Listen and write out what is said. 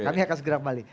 kami akan segera kembali